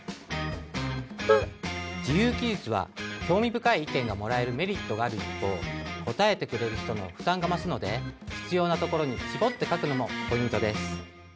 自由記述は興味深い意見がもらえるメリットがある一方答えてくれる人の負担が増すので必要なところにしぼって書くのもポイントです。